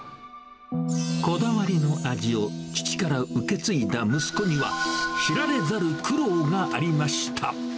こだわりの味を父から受け継いだ息子には、知られざる苦労がありました。